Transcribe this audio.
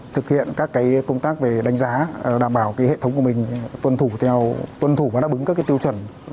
thực hiện các cái công tác về đánh giá đảm bảo cái hệ thống của mình tuân thủ và đáp ứng các cái tiêu chuẩn